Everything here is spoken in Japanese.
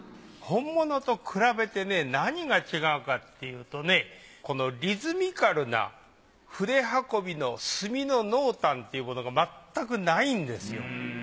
本物と比べて何が違うかっていうとねこのリズミカルな筆運びの墨の濃淡というものがまったくないんですよ。